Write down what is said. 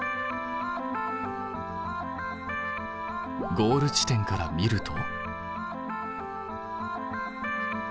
ゴール地点から見ると。